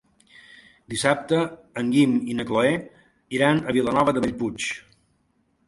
Dissabte en Guim i na Cloè iran a Vilanova de Bellpuig.